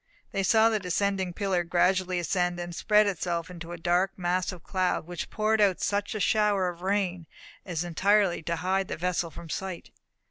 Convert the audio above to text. They saw the descending pillar gradually ascend, and spread itself into a dark mass of cloud, which poured out such a shower of rain as entirely to hide the vessel from sight.